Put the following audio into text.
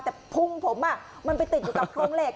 แต่พุงผมมันไปติดอยู่กับโครงเหล็ก